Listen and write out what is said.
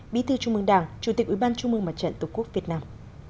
bí thư trung mương đảng chủ tịch ủy ban trung mương mặt trận tổ quốc việt nam